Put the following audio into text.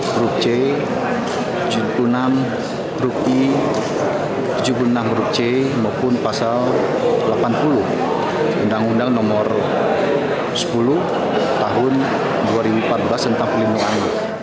grup c tujuh puluh enam grup i tujuh puluh enam huruf c maupun pasal delapan puluh undang undang nomor sepuluh tahun dua ribu empat belas tentang pelindungan